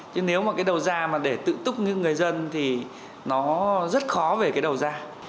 chứ nếu mà cái đầu ra mà để tự túc như người dân thì nó rất khó về cái đầu ra